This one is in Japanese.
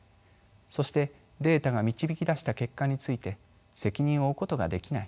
そしてデータが導き出した結果について責任を負うことができない。